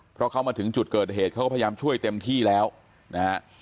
เพราะเขามาถึงจุดเกิดเหตุเขาก็พยายามช่วยเต็มที่แล้วนะฮะ